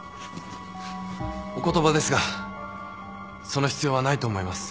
お言葉ですがその必要はないと思います。